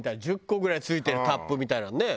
１０個ぐらい付いてるタップみたいなのね。